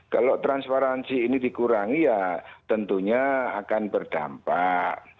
kalau transparansi ini dikurangi ya tentunya akan berdampak